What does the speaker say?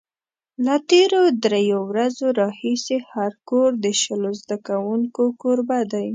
له تېرو درېیو ورځو راهیسې هر کور د شلو زده کوونکو کوربه دی.